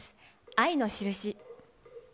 愛のしるし。